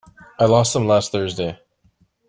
I lost them last Thursday.